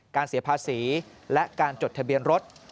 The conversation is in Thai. เสียภาษีและการจดทะเบียนรถ